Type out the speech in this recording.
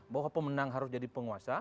bahwa pemenang harus jadi penguasa